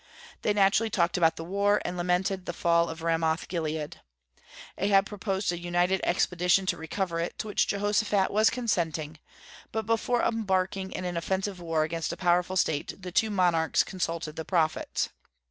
They naturally talked about the war, and lamented the fall of Ramoth Gilead. Ahab proposed a united expedition to recover it, to which Jehoshaphat was consenting; but before embarking in an offensive war against a powerful state, the two monarchs consulted the prophets.